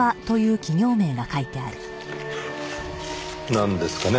なんですかね？